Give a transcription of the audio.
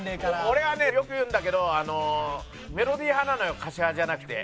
俺はねよく言うんだけどメロディー派なのよ歌詞派じゃなくて。